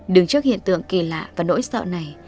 đứng trước hiện tượng kỳ lạ và nỗi sợ này